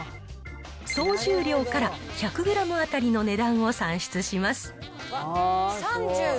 総重量から１００グラム当たりの値段を算出します。